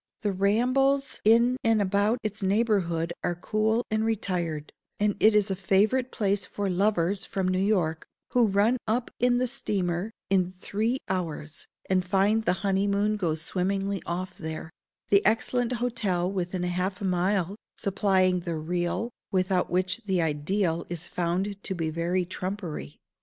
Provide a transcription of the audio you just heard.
The rambles in and about its neighbourhood are cool and retired; and it is a favourite place for lovers from New York, who run up in the steamer in three hours, and find the honeymoon goes swimmingly off there,—the excellent hotel within half a mile supplying the real, without which the ideal is found to be very trumpery.